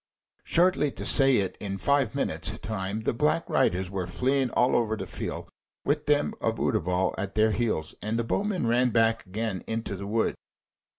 Shortly to say it, in five minutes' time the Black Riders were fleeing all over the field with them of Utterbol at their heels, and the bowmen ran back again into the wood.